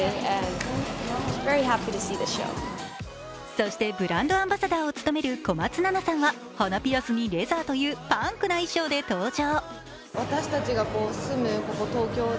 そしてブランドアンバサダーを務める小松菜奈さんは鼻ピアスにレザーというパンクな衣装で登場。